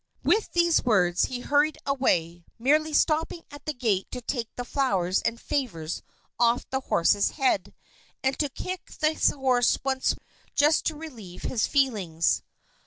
With these words, he hurried away, merely stopping at the gate to take the flowers and favors off the horse's head, and to kick the horse once, just to relieve his feelings.